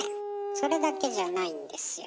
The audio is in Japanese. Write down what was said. それだけじゃないんですよ。